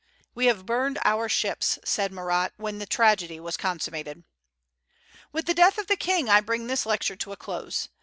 "We have burned our ships," said Marat when the tragedy was consummated. With the death of the King, I bring this lecture to a close.